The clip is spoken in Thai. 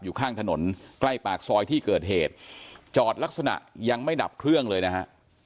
อยู่ข้างถนนใกล้ปากซอยที่เกิดเหตุจอดลักษณะยังไม่ดับเครื่องเลยนะฮะ